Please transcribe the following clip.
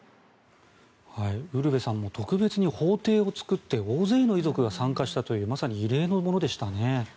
ウルヴェさん特別に法廷を作って大勢の遺族が参加したというまさに異例のものでしたね。